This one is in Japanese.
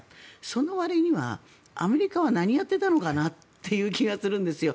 そのわりにはアメリカは何をやっていたのかなという気がするんですよ。